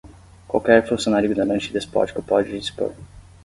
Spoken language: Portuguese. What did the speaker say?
qualquer funcionário ignorante e despótico pode dispor